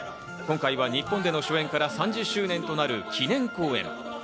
今回は日本での初演から３０周年となる記念公演。